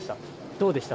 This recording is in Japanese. どうでした？